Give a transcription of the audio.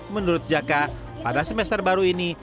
menurut jaka pada semester baru ini